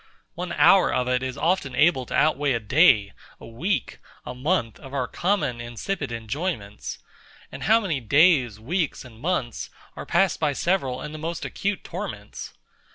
One hour of it is often able to outweigh a day, a week, a month of our common insipid enjoyments; and how many days, weeks, and months, are passed by several in the most acute torments?